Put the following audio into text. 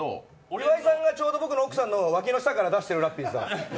岩井さんがちょうど僕の奥さんのわきの下から出してる。